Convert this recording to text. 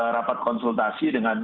rapat konsultasi dengan